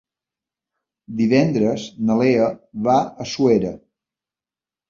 Divendres na Lea va a Suera.